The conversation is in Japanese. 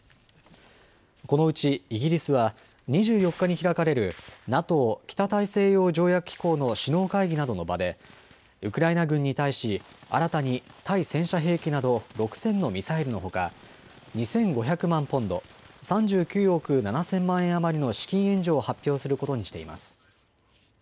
このうちイギリスは２４日に開かれるＮＡＴＯ・北大西洋条約機構の首脳会議などの場でウクライナ軍に対し新たに対戦車兵器など６０００のミサイルのほか２５００万ポンド、３９億７０００万円余りの資金援助を発表することにしています。